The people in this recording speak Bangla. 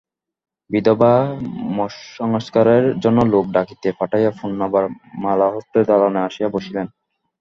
বিধবা মঞ্চসংস্কারের জন্য লোক ডাকিতে পাঠাইয়া পুনর্বার মালাহস্তে দালানে আসিয়া বসিলেন।